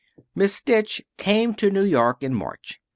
Miss Stitch came to New York in March.